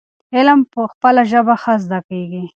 علم په خپله ژبه ښه زده کيږي.